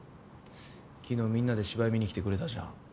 昨日みんなで芝居観に来てくれたじゃん？